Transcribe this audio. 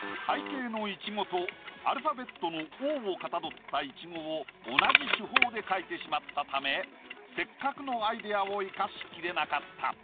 背景のイチゴとアルファベットの「Ｏ」をかたどったイチゴを同じ手法で描いてしまったためせっかくのアイデアを生かしきれなかった。